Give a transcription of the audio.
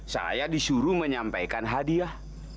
saya disuruh menyampaikan hadiah